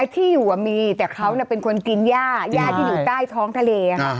ที่อยู่มีแต่เขาเป็นคนกินย่าย่าที่อยู่ใต้ท้องทะเล